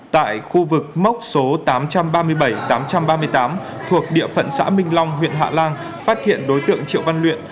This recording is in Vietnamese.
tại khu vực mốc số tám trăm ba mươi bảy tám trăm ba mươi tám thuộc địa phận xã minh long huyện hạ lan phát hiện đối tượng triệu văn luyện